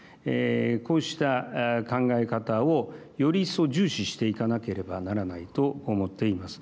こうした考え方をより一層重視していかなければならないと思っています。